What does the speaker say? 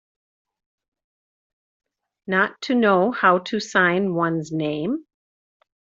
Not to know how to sign one's name.